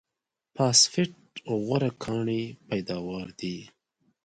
فاسفېټ غوره کاني پیداوار دی.